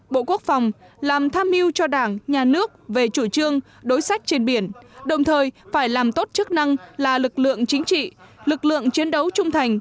bộ quốc phòng làm tham mưu cho đảng nhà nước về chủ trương đối sách trên biển đồng thời phải làm tốt chức năng là lực lượng chính trị lực lượng chiến đấu trung thành